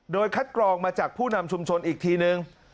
โดยคัดกรองมาจากผู้นำชุมชนอีกทีนึง